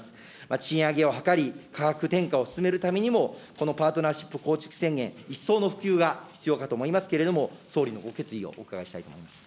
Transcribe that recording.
賃上げを図り、価格転嫁を進めるためにも、このパートナーシップ構築宣言、一層の普及が必要かと思いますけれども、総理のご決意をお伺いしたいと思います。